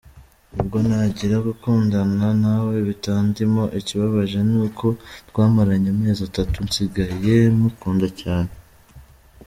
Ubwo ntangira gukundana nawe bitandimo, ikibabaje ni uko twamaranye amezi atatu nsigaye mukunda cyane.